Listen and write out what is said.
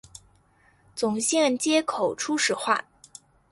总线接口初始化